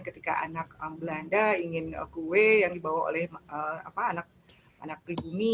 ketika anak belanda ingin kue yang dibawa oleh anak pribumi